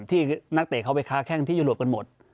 นักเตะเขาไปค้าแข้งที่ยุโรปกันหมด